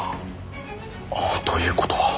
という事は。